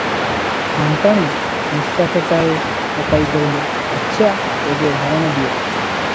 ସା’ନ୍ତାଣୀ ନିଶ୍ଵାସଟାଏ ପକାଇ କହିଲେ – ଆଚ୍ଛା, ତେବେ ଧାରଣା ଦିଅ ।